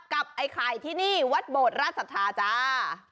ไอ้ไข่ที่นี่วัดโบดราชศรัทธาจ้า